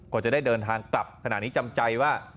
ก็จะได้เดินทางกลับขณะนี้จำใจว่า